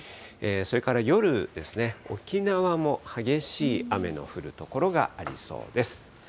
それから夜ですね、沖縄も激しい雨の降る所がありそうです。